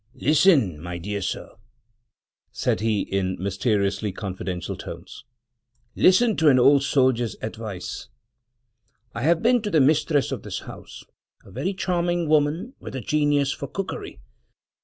"Listen, my dear sir," said he, in mysteriously confidential tones —"listen to an old soldier's advice. I have been to the mistress of the house (a very charming woman, with a genius for cookery!)